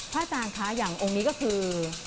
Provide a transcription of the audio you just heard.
อาจารย์คะอย่างองค์นี้ก็คือ